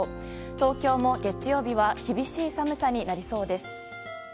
東京も月曜日は厳しい寒さになりそうです。